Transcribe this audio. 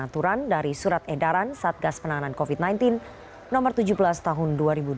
aturan dari surat edaran satgas penanganan covid sembilan belas no tujuh belas tahun dua ribu dua puluh